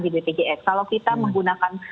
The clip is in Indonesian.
di bpjs kalau kita menggunakan